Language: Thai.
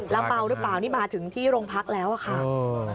แล้วเมาหรือเปล่านี่มาถึงที่โรงพักแล้วอะค่ะ